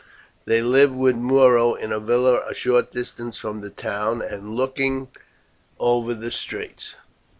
They lived with Muro in a villa a short distance from the town, and looking over the straits.